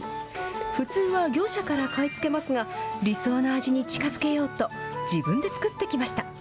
普通は業者から買い付けますが、理想の味に近づけようと、自分で作ってきました。